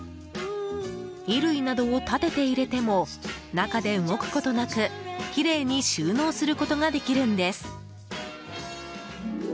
衣類などを立てて入れても中で動くことなくきれいに収納することができるんです。